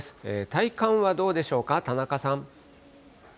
体感はどうでしょうか、田中さん。